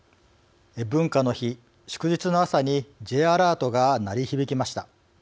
文化の日祝日の朝にＪアラートが鳴り響きました。